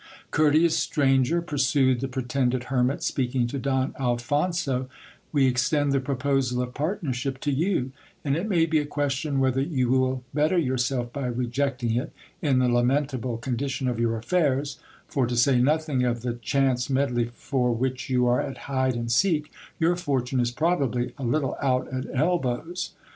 Courteous stranger, pursued the pretended hermit, speaking to Don Alphonso, we extend the proposal of partnership to you, and it may be a question whether you will better yourself by rejecting it, in the lamentable condition of your affairs ; for, to say nothing of the chance medley for which you are at hide and seek, your fortune is probably a little out at elbows.